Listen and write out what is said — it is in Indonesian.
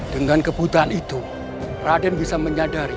dengan keputaan itu grandma bisa menyadari